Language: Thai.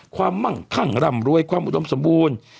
ความมั่งข้างร่ำรวยความอุดมสมบูรณ์